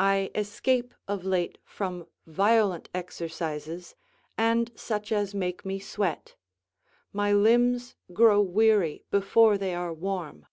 I escape of late from violent exercises, and such as make me sweat: my limbs grow weary before they are warm.